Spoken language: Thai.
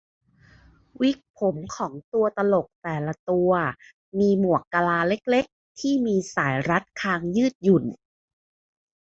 วิกผมของตัวตลกแต่ละตัวมีหมวกกะลาเล็ก ๆ ที่มีสายรัดคางยืดหยุ่น